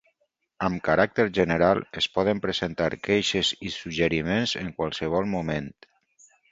Amb caràcter general, es poden presentar queixes i suggeriments en qualsevol moment.